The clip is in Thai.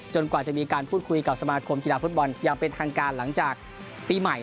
กว่าจะมีการพูดคุยกับสมาคมกีฬาฟุตบอลอย่างเป็นทางการหลังจากปีใหม่